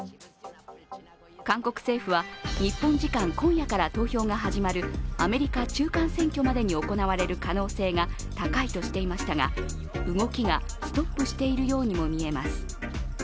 韓国政府は日本時間今夜から投票が始まるアメリカ中間選挙までに行われる可能性が高いとしていましたが動きがストップしているようにも見えます。